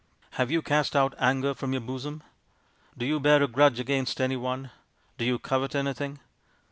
" Have you cast out anger from your bosom ? Do you bear a grudge against any one ? Do you covet anything